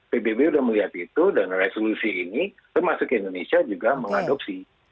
pbb sudah melihat itu dan resolusi ini termasuk indonesia juga mengadopsi